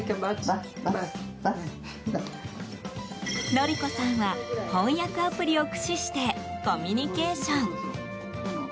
徳子さんは翻訳アプリを駆使してコミュニケーション。